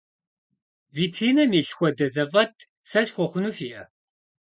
Витринэм илъым хуэдэ зэфӏэт сэ схуэхъуну фиӏэ?